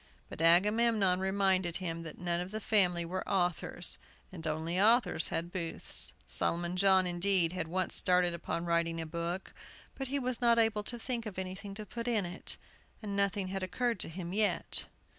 But Agamemnon reminded him that none of the family were authors, and only authors had booths. Solomon John, indeed, had once started upon writing a book, but he was not able to think of anything to put in it, and nothing had occurred to him yet.